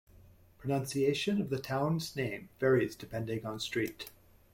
Pronunciation of the town's name varies depending on street.